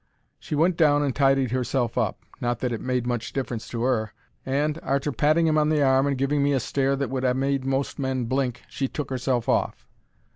She went down and tidied herself up—not that it made much difference to 'er—and, arter patting him on the arm and giving me a stare that would ha' made most men blink, she took herself off.